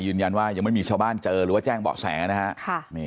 ยืนยันว่ายังไม่มีชาวบ้านเจอหรือแจ้งเบาะแสนะครับ